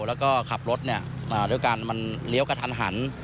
แล้วก็ขับรถด้วยกันมันเลี้ยวกระทันหัน